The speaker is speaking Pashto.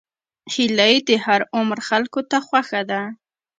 هیلۍ د هر عمر خلکو ته خوښه ده